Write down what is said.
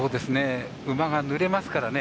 馬がぬれますからね